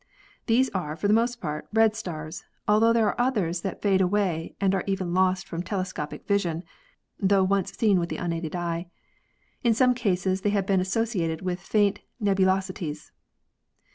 These are, for the most part, red stars, altho there are others that fade away and are even lost from telescopic vision, tho once seen with the unaided eye. In some cases they have been associated with faint nebulosities.